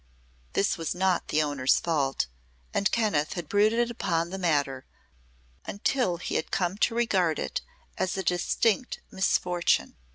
This was not the owner's fault, and Kenneth had brooded upon the matter until he had come to regard it as a distinct misfortune.